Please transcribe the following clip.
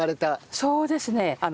そうですね。